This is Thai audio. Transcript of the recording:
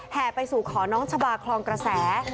ไปสู่ขอน้องชะบาคลองกระแส